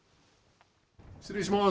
失礼します。